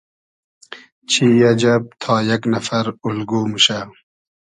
چی اجئب تا یئگ نئفر اولگو موشۂ